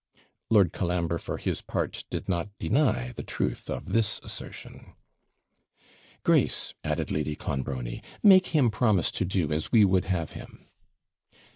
Lord Colambre, for his part, did not deny the truth of this assertion. 'Grace,' added Lady Clonbrony, 'make him promise to do as we would have him.'